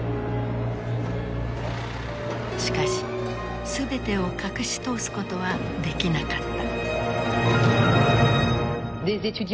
しかし全てを隠し通すことはできなかった。